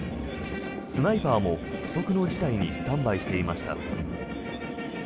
スナイパーも不測の事態にスタンバイしていました。